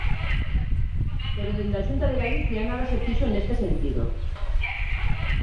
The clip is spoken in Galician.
Pero dende a Xunta de Galicia nada se fixo neste sentido.